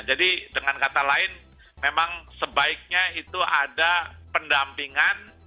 jadi dengan kata lain memang sebaiknya itu ada pendampingan